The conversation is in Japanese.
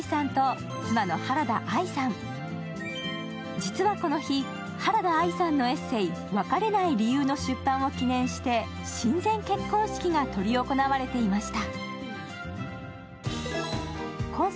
実はこの日、原田愛さんのエッセイ「別れない理由」の出版を記念して神前結婚式が執り行われていました。